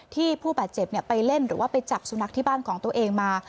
ผู้บาดเจ็บไปเล่นหรือว่าไปจับสุนัขที่บ้านของตัวเองมา